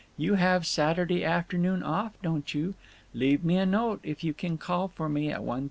You have Saturday afternoon off, don't you? Leave me a note if you can call for me at 1.30.